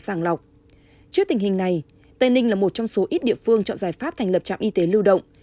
sàng lọc trước tình hình này tây ninh là một trong số ít địa phương chọn giải pháp thành lập trạm y tế lưu động